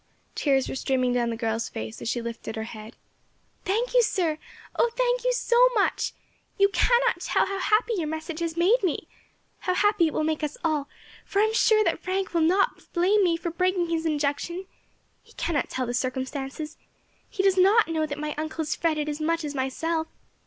Tears were streaming down the girl's face as she lifted her head. "Thank you, sir! oh, thank you so much! You cannot tell how happy your message has made me how happy it will make us all, for I am sure that Frank will not blame me for breaking his injunction. He cannot tell the circumstances; he does not know that my uncle has fretted as much as myself.